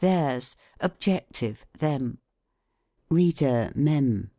Theirs. Obj. Them. Reader, Mem.